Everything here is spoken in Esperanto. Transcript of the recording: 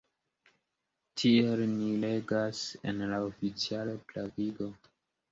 Tiel ni legas en la oficiala pravigo.